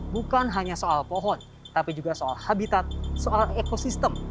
bukan hanya soal pohon tapi juga soal habitat soal ekosistem